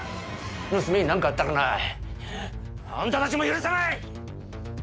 娘に何かあったらなあんたたちも許さない！